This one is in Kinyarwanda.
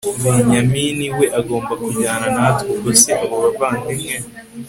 benyamini we agomba kujyana natwe ubwo se abo bavandimwe